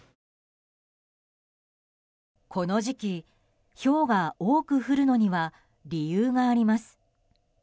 この時期、ひょうが多く降るのには理由があります。